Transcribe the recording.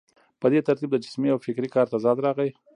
په دې ترتیب د جسمي او فکري کار تضاد راغی.